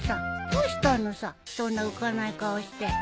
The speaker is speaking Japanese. どうしたのさそんな浮かない顔して。